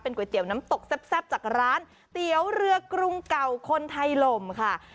ก๋วยเตี๋ยวน้ำตกแซ่บจากร้านเตี๋ยวเรือกรุงเก่าคนไทยลมค่ะ